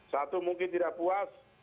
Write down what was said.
satu mungkin tidak puas